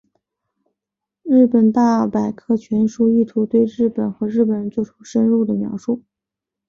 日本大百科全书意图对日本和日本人作出深入的描述。